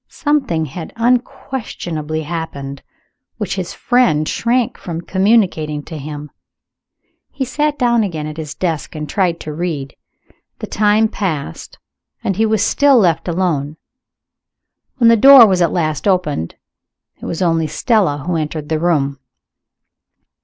Something had unquestionably happened, which his friend shrank from communicating to him. He sat down again at his desk and tried to read. The time passed and he was still left alone. When the door was at last opened it was only Stella who entered the room.